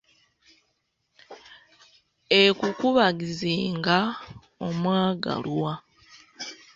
Ekukubagizenga, omwagalwa!